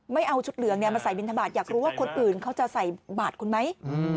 ไม่เอาชุดเหลืองมาใส่บินทบาทอยากรู้ว่าคนอื่นเขาจะใส่บาทคุณไหม